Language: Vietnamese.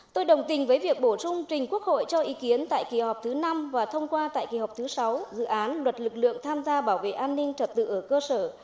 tôi đồng tình với việc bổ sung trình quốc hội cho ý kiến tại kỳ họp thứ năm và thông qua tại kỳ họp thứ sáu dự án luật lực lượng tham gia bảo vệ an ninh trật tự ở cơ sở